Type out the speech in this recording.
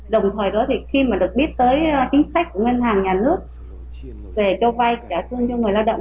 đồng thời đó thì khi mà được biết tới chính sách của ngân hàng nhà nước về cho vay trả lương cho người lao động